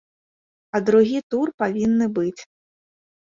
А другі тур павінны быць.